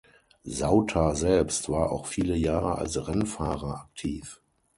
Sauter selbst war auch viele Jahre als Rennfahrer aktiv.